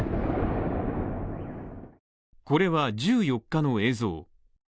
これは１４日の映像。